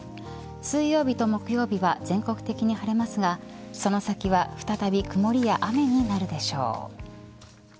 水曜日と木曜日は全国的に晴れますがその先は再び曇りや雨になるでしょう。